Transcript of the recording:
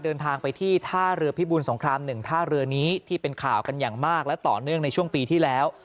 เดินทางไปที่ท่าเรือพิบูลสงคราม๑ท่าเรือนี้ที่เป็นข่าวกันอย่างมากและต่อเนื่องในช่วงปีที่แล้ว